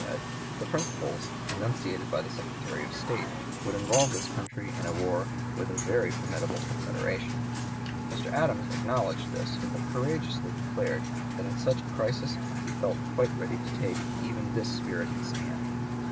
133) said, the principles enunciated by the Secretary of State would involve this country in war with a very formidable confederation. Mr. Adams acknowledged this, but courageously declared that in such a crisis he felt quite ready to take even this spirited stand.